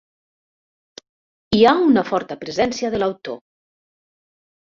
Hi ha una forta presència de l'autor.